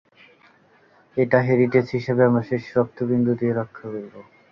এটা হেরিটেজ হিসেবে আমরা শেষ রক্তবিন্দু দিয়ে রক্ষা করব।